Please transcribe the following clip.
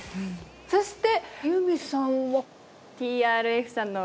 そして結海さんは？